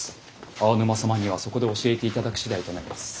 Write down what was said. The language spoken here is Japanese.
青沼様にはそこで教えて頂く次第となります。